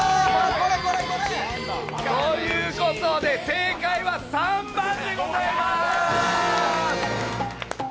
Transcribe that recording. これこれこれ！ということで正解は３番でございます。